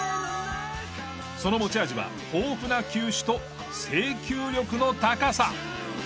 その持ち味は豊富な球種と制球力の高さ。